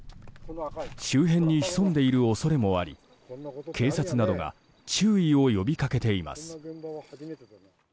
周辺に潜んでいる恐れもあり警察などが注意を呼び掛けています。